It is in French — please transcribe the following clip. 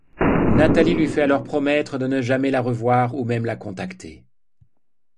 Natalie lui fait alors promettre de ne jamais la revoir ou même la contacter.